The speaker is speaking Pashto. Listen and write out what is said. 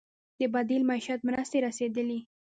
د بدیل معیشت مرستې رسیدلي؟